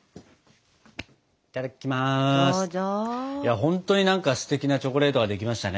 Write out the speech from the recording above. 本当に何かステキなチョコレートができましたね。